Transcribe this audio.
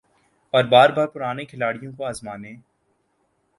اور بار بار پرانے کھلاڑیوں کو آزمانے